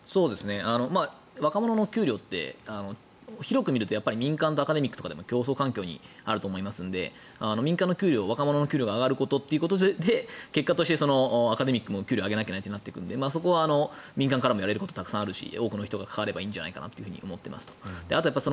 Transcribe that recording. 若者の給料って広く見ると民間とアカデミックとかでも競争環境にあると思いますので民間の給料若者の給料が上がることで結果としてアカデミックも給料を上げなきゃいけないとなってくるのでそこは民間からもやれることたくさんあるし多くの人が関わればいいんじゃないかなと思っていますと。